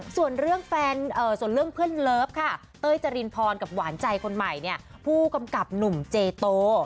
ส่วนเรื่องส่วนเรื่องเพื่อนเลิฟค่ะเต้ยจรินพรกับหวานใจคนใหม่เนี่ยผู้กำกับหนุ่มเจโต